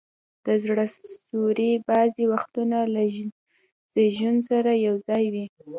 د زړه سوري بعضي وختونه له زیږون سره یو ځای وي.